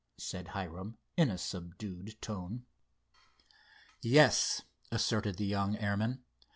said Hiram, in a subdued tone. "Yes," asserted the young airman.